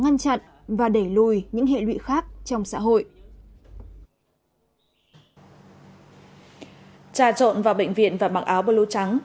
ngăn chặn và đẩy lùi những hệ lụy khác trong xã hội trả trộn vào bệnh viện và mặc áo bơ lô trắng